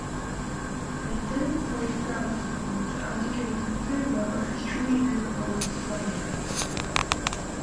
They then forced Gaozong to abdicate in favor of his three year old son.